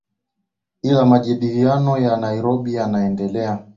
ile majadiliano ya nairobi yaendelee